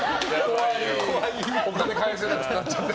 お金返せなくて。